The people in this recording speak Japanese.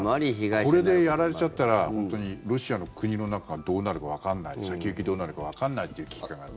これでやられちゃったら本当にロシアの国の中がどうなるかわからない先行きどうなるかわからないという危機感があると。